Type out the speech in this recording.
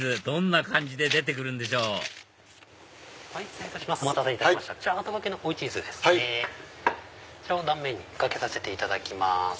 どんな感じで出て来るんでしょう失礼いたします